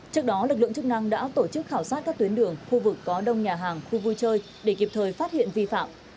trước đó lực lượng chức năng đã tổ chức khảo sát các tuyến đường khu vực có đông nhà hàng khu vui chơi để kịp thời phát hiện vi phạm